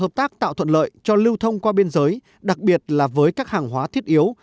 hợp tác tạo thuận lợi cho lưu thông qua biên giới đặc biệt là với các hàng hóa thiết yếu